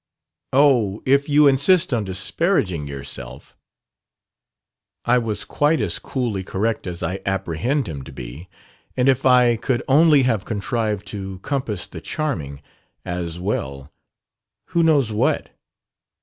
"Oh, if you insist on disparaging yourself...!" "I was quite as coolly correct as I apprehend him to be; and if I could only have contrived to compass the charming, as well, who knows what